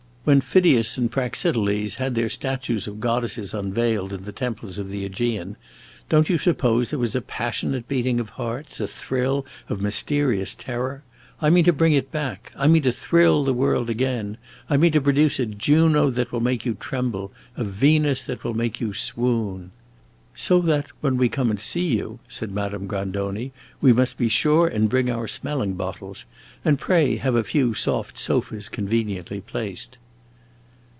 When Phidias and Praxiteles had their statues of goddesses unveiled in the temples of the AEgean, don't you suppose there was a passionate beating of hearts, a thrill of mysterious terror? I mean to bring it back; I mean to thrill the world again! I mean to produce a Juno that will make you tremble, a Venus that will make you swoon!" "So that when we come and see you," said Madame Grandoni, "we must be sure and bring our smelling bottles. And pray have a few soft sofas conveniently placed."